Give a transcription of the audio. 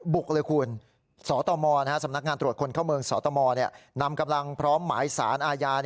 บุกเลยคุณสตมสำนักงานตรวจคนเข้าเมืองสตมนำกำลังพร้อมหมายสารอาญา